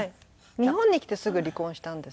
日本に来てすぐ離婚したんですね。